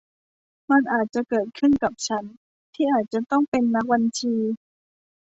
มันอาจจะเกิดขึ้นกับฉันที่อาจจะต้องเป็นนักบัญชี